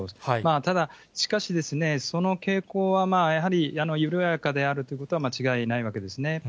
ただ、しかし、その傾向はやはり緩やかであるということは間違いないわけですね。